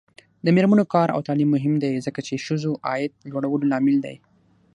د میرمنو کار او تعلیم مهم دی ځکه چې ښځو عاید لوړولو لامل دی.